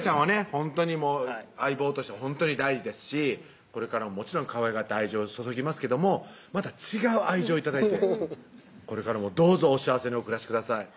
ほんとに相棒としてほんとに大事ですしこれからももちろんかわいがって愛情を注ぎますけどもまた違う愛情を頂いてこれからもどうぞお幸せにお暮らしください